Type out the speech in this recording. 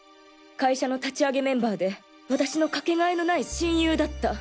会社の立ち上げメンバーで私のかけがえのない親友だった。